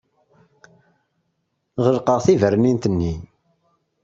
Ɣelqeɣ tibernint-nni.